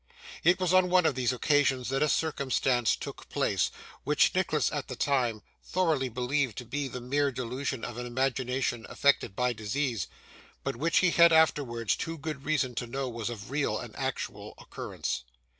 It was on one of these occasions that a circumstance took place, which Nicholas, at the time, thoroughly believed to be the mere delusion of an imagination affected by disease; but which he had, afterwards, too good reason to know was of real and actual occurrence.